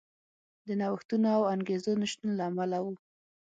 د نوښتونو او انګېزو نشتون له امله و.